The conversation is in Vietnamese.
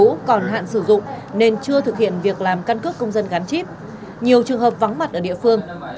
cũ còn hạn sử dụng nên chưa thực hiện việc làm căn cước công dân gắn chip nhiều trường hợp vắng mặt ở địa phương